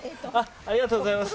ありがとうございます。